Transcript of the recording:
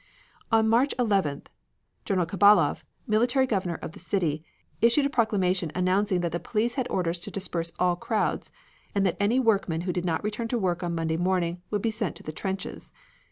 On March 11th, General Khabalov, military governor of the city, issued a proclamation announcing that the police had orders to disperse all crowds, and that any workman who did not return to work on Monday morning would be sent to the trenches.